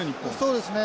そうですね。